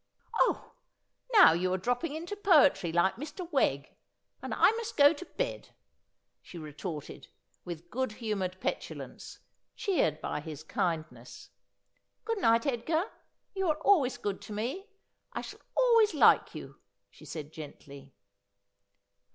' Oh, now you are dropping into poetry, like Mr. Wegg, and I must go to bed,' she retorted, with good humoured petulance, cheered by his kindness. ' Good night, Edgar. You are always good to me. I shall always like you,' she said gently.